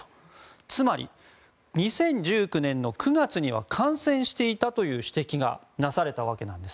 つまり、２０１９年９月には感染していたという指摘がなされたわけなんです。